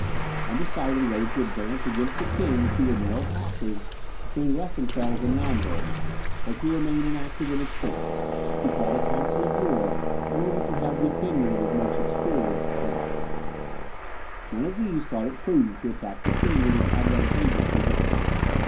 Undecided whether to advance against the king through the narrow passes between Weissenfels and Naumburg, or to remain inactive in his camp, he called a council of war, in order to have the opinion of his most experienced generals. None of these thought it prudent to attack the king in his advantageous position.